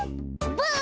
ブー！